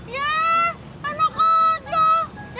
ya enak aja